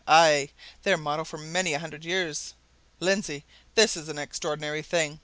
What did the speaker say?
Aye! their motto for many a hundred years! Lindsey, this is an extraordinary thing!